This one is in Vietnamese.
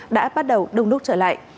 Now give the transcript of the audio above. đã bắt đầu đung đúc trở lại